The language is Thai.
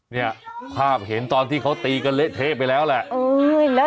เนี่ยภาพเห็นตอนที่เขาตีกันเละเทะไปแล้วแหละ